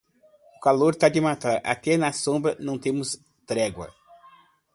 O calor tá de matar, até na sombra não temos trégua.